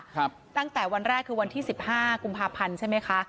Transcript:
ครับตั้งแต่วันแรกวันที่๑๕กุมภาพันธ์ใช่ไหมคะ